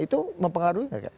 itu mempengaruhi gak